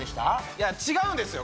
いや違うんですよ